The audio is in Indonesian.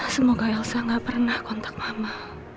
semoga elsa nggak pernah kontak mama